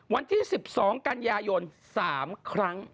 วันที่๑๒กันยายน๓ครั้ง